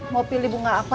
mau pilih bunga apa